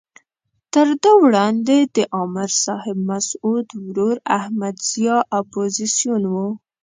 تر ده وړاندې د امر صاحب مسعود ورور احمد ضیاء اپوزیسون وو.